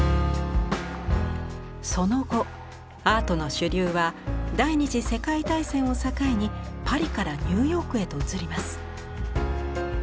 その後アートの主流は第二次世界大戦を境にパリからニューヨークへと移ります。